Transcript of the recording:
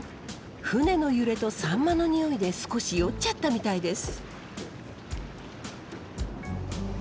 船の揺れとサンマのにおいで少し酔っちゃったみたいです。